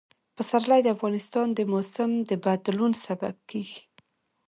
پسرلی د افغانستان د موسم د بدلون سبب کېږي.